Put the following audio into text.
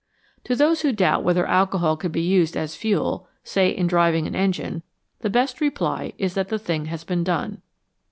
To those who doubt whether alcohol could be used as fuel, say in driving an engine, the best reply is that the thing has been done.